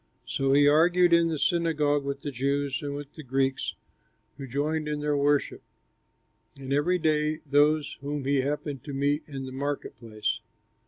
So he argued in the synagogue with the Jews and with the Greeks who joined in their worship, and every day with those whom he happened to meet in the market place.